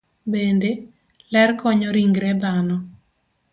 Bende, ler konyo ringre dhano.